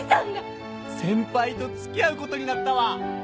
「先輩と付き合うことになったわ！」